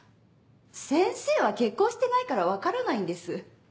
先生は結婚してないから分からないんです。